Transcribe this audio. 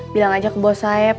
bilang aja ke bos saeb